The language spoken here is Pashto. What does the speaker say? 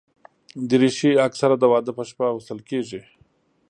دریشي اکثره د واده پر شپه اغوستل کېږي.